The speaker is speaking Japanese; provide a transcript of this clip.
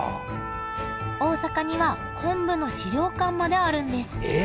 大阪には昆布の資料館まであるんです。